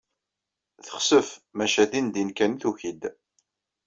Texsef, maca dindin kan tuki-d.